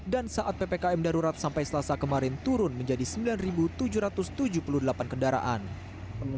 dan saat ppkm darurat sampai selasa kemarin turun menjadi sembilan tujuh ratus tujuh puluh delapan kendaraan